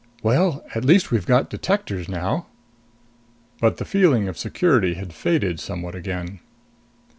"Well, at least we've got detectors now." But the feeling of security had faded somewhat again.